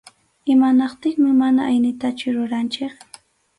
Imanaptinmi mana aynitachu ruranchik.